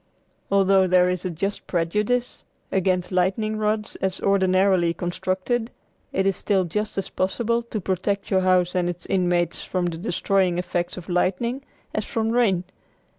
Although there is a just prejudice against lightning rods as ordinarily constructed, it is still just as possible to protect your house and its inmates from the destroying effects of lightning as from rain.